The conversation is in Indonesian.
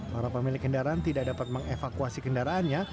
para pemilik kendaraan tidak dapat mengevakuasi kendaraannya